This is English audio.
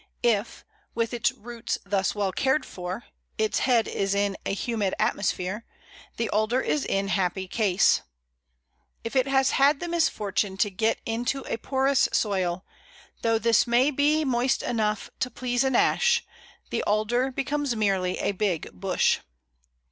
If, with its roots thus well cared for, its head is in a humid atmosphere, the Alder is in happy case. If it has had the misfortune to get into a porous soil, though this may be moist enough to please an Ash, the Alder becomes merely a big bush.